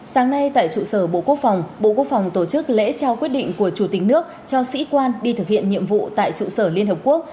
sáng nay tại trụ sở bộ quốc phòng bộ quốc phòng tổ chức lễ trao quyết định của chủ tịch nước cho sĩ quan đi thực hiện nhiệm vụ tại trụ sở liên hợp quốc